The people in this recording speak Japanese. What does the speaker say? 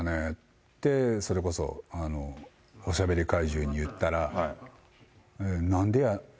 って、それこそ、おしゃべり怪獣に言ったら、なんでや？